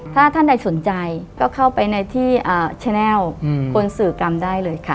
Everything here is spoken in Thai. ถ้าท่านใดสนใจก็เข้าไปในที่แชนัลคนสื่อกรรมได้เลยค่ะ